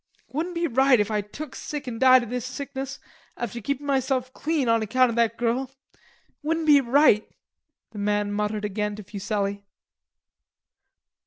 "It wouldn't be right if I took sick an' died of this sickness, after keepin' myself clean on account of that girl.... It wouldn't be right," the man muttered again to Fuselli.